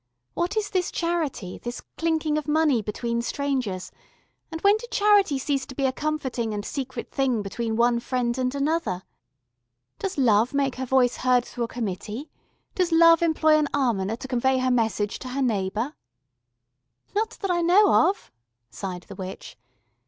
"What is this Charity, this clinking of money between strangers, and when did Charity cease to be a comforting and secret thing between one friend and another? Does Love make her voice heard through a committee, does Love employ an almoner to convey her message to her neighbour?" "Not that I know of," sighed the witch.